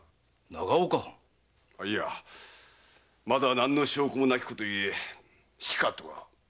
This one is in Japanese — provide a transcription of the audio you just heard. いやまだ何の証拠もなきことゆえしかとは。